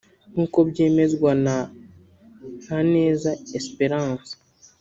nk’uko byemezwa na Ntaneza Espérence